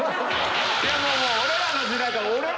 いやもう俺らの時代とは。